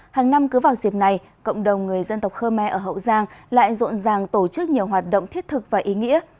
hàng năm cứ vào dịp này cộng đồng người dân tộc khơ me ở hậu giang lại rộn ràng tổ chức nhiều hoạt động thiết thực và ý nghĩa